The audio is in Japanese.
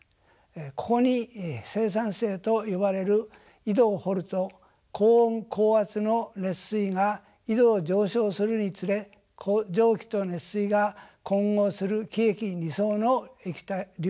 ここに生産井と呼ばれる井戸を掘ると高温高圧の熱水が井戸を上昇するにつれ蒸気と熱水が混合する気液二相の流体が出来ます。